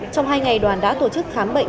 trong hai ngày đoàn đã tổ chức khám bệnh